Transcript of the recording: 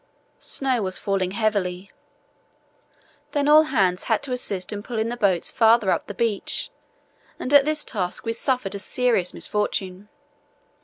Snow was falling heavily. Then all hands had to assist in pulling the boats farther up the beach, and at this task we suffered a serious misfortune.